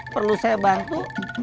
perlu saya bantu